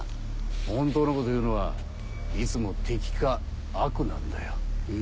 本当のことを言うのはいつも敵か悪なんだよ。